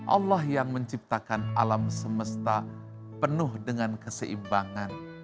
allah yang menciptakan alam semesta penuh dengan keseimbangan